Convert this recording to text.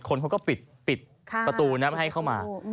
คนเขาก็ปิดประตูนะไม่ให้เข้ามา